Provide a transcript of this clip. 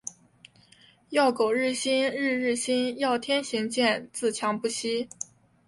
要苟日新，日日新。要天行健，自强不息。